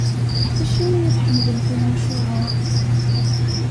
Acimi i tḥemmlem timucuha?